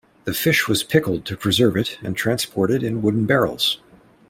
The fish was pickled to preserve it and transported in wooden barrels.